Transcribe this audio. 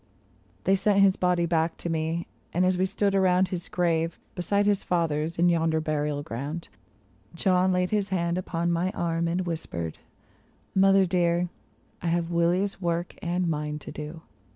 They sent his body back to me, and as we stood around His grave, beside his father's, in yonder burial ground, John laid his hand upon my arm and whispered, " Mother dear, I have Willy's work and mine to do.